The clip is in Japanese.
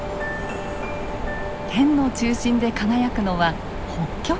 天の中心で輝くのは北極星。